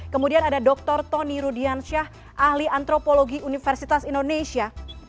kemudian ada dr tony rudiansyah ahli antropologi universitas indonesia